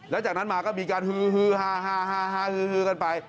แล้วจากนั้นมาก็มีการฮือฮาฮือกันไป